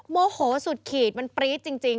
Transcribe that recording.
โมโหสุดขีดมันปรี๊ดจริง